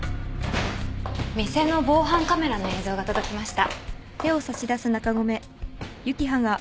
店の防犯カメラの映像が届きました。